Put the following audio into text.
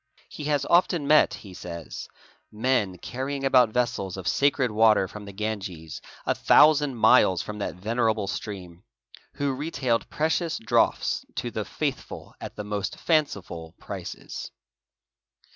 He has often met, he says, 'men carrying about vessels of sacred water from the Ganges, a thousand miles from that venerable stream, who re — tailed precious draughts to the faithful at the most fanciful prices.